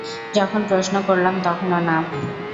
যখন প্রশ্ন করলাম তখনো না।